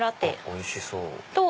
おいしそう！